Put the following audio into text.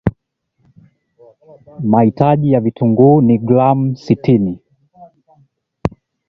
mahitaji ya vitunguu ni gram sitini